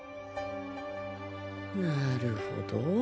なるほど。